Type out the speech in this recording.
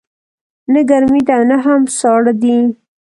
نه ګرمې ده او نه هم ساړه دی